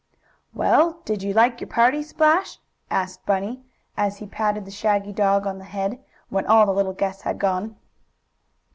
"Well, did you like your party, Splash?" asked Bunny, as he patted the shaggy dog on the head, when all the little guests had gone.